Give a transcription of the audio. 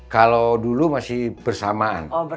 kalau dulu masih bersamaan